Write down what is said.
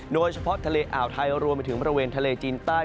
โดยเฉพาะทะเลอ่าวไทยรวมไปถึงบริเวณทะเลจีนใต้